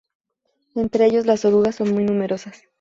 Entre ellos, las orugas son muy numerosas.